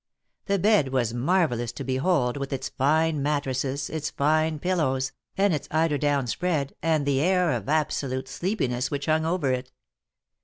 The bed was marvellous to ^behold, with its fine mattresses, its fine pillows, and its eider down spread, and the air of absolute sleepiness which (hung over it.